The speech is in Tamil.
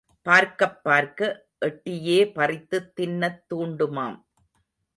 பார்க்கப் பார்க்க, எட்டியே பறித்துத் தின்னத் தூண்டுமாம்.